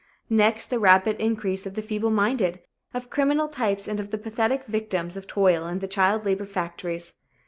Next, the rapid increase of the feebleminded, of criminal types and of the pathetic victims of toil in the child labor factories.